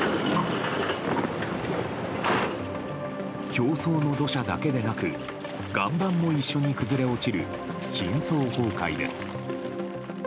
表層の土砂だけでなく岩盤も一緒に崩れ落ちる深層崩壊です。